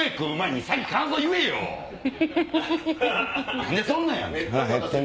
何でそんなんやねん！